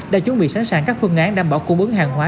đã chuẩn bị sẵn sàng các phương án đảm bảo cung ứng hàng hóa